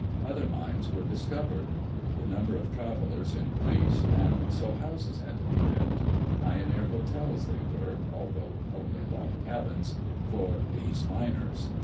Other mines were discovered. The number of travelers in creased, and so houses had to be built — pioneer hotels they were, although only log cabins — for these miners.